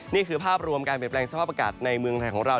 นี่คือภาพรวมการเปลี่ยนแปลงสภาพอากาศในเมืองไทยของเรา